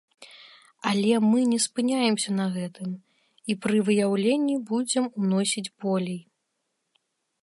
Але мы не спыняемся на гэтым, і пры выяўленні будзем уносіць болей.